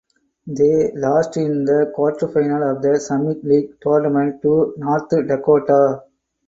They lost in the quarterfinals of the Summit League Tournament to North Dakota.